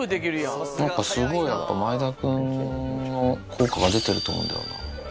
すごい前田君の効果が出てると思うんだよな。